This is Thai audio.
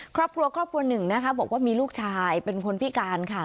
ครอบครัวครอบครัวหนึ่งนะคะบอกว่ามีลูกชายเป็นคนพิการค่ะ